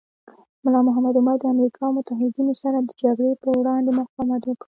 ملا محمد عمر د امریکا او متحدینو سره د جګړې پر وړاندې مقاومت وکړ.